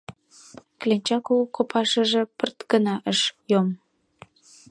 Кленча кугу копашыже пырт гына ыш йом.